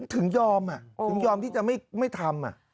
ถึงยอมถึงยอมที่จะไม่ทำ